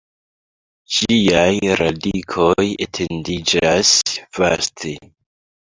Ĝiaj radikoj etendiĝas vaste.